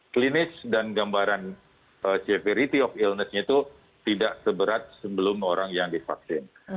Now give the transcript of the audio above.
klinis dan gambaran severity of ilness nya itu tidak seberat sebelum orang yang divaksin